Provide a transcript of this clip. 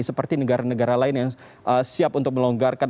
seperti negara negara lain yang siap untuk melonggarkan